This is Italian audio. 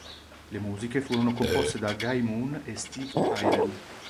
Le musiche furono composte da Guy Moon e Steve Tyrell.